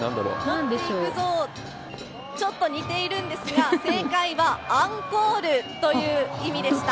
モッテイクゾー、ちょっと似ているんですが、正解は、アンコールという意味でした。